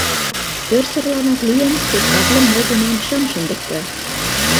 Тӧрсырланак лийын, спектакльым мый тунам шым шындыкте.